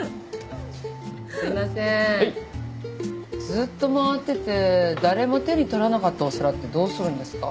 ずっと回ってて誰も手に取らなかったお皿ってどうするんですか？